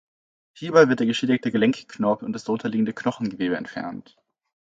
Hierbei wird der geschädigte Gelenkknorpel und das darunterliegende Knochengewebe entfernt.